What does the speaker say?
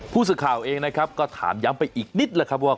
ผู้สื่อข่าวเองนะครับก็ถามย้ำไปอีกนิดแหละครับว่า